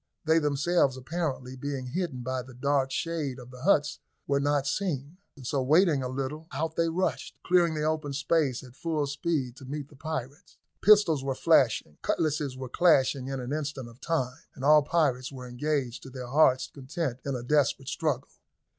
They themselves, apparently being hidden by the dark shade of the huts, were not seen. So, waiting a little, out they rushed, clearing the open space at full speed to meet the pirates. Pistols were flashing, cutlasses were clashing in an instant of time, and all parties were engaged to their hearts' content in a desperate struggle.